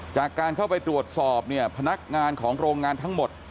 จากการเข้าไปตรวจสอบเนี่ยพนักงานของโรงงานทั้งหมด